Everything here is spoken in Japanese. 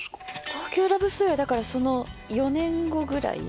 「東京ラブストーリー」はだからその４年後ぐらい？